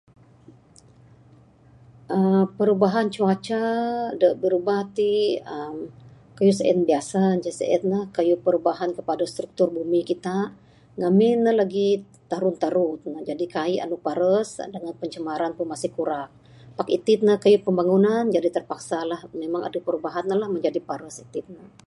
aaa perumahan cuaca da berubah ti emm kayuh sien biasa ne ce sien la kayuh perubahan kepada struktur bumi kita ngamin ne lagi tarun tarun jadi kaik anu paras, sak ne ngaban pencemaran udara. Pak kayuh itin ne pembangunan ji terpaksala memang adeh perubahan ne la jaji paras itin ne